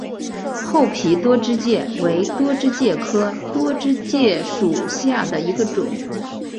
厚皮多枝介为多枝介科多枝介属下的一个种。